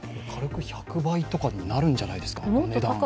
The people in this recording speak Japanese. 軽く１００倍とかになるんじゃないですか、値段。